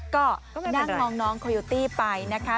ก็นั่งมองน้องโคโยตี้ไปนะคะ